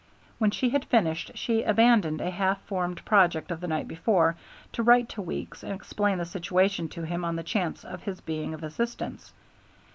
When she had finished, she abandoned a half formed project of the night before to write to Weeks and explain the situation to him on the chance of his being of assistance.